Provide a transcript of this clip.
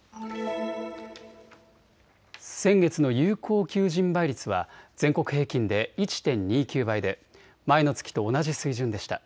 先月の有効求人倍率は全国平均で１．２９倍で前の月と同じ水準でした。